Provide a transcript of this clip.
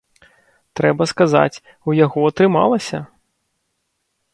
Трэба сказаць, у яго атрымалася!